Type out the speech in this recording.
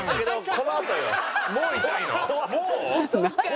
このあとだ！